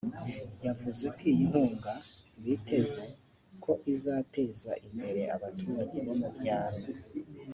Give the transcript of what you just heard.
yavuze ko iyi nkunga biteze ko izateza imbere abaturage bo mu byaro